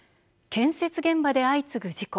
建設現場で相次ぐ事故。